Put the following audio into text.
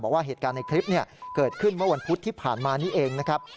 บอกว่าเหตุการณ์ในคลิปเกิดขึ้นเมื่อวันพุธที่ผ่านมานี้เองนะครับ